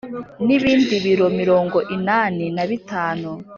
nibindi biro mirongo inani na bitanu.